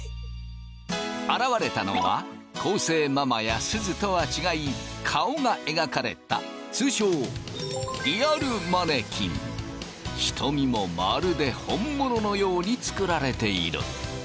現れたのは昴生ママやすずとは違い顔が描かれた通称瞳もまるで本物のように作られている。